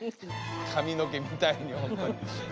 髪の毛みたいにホントに。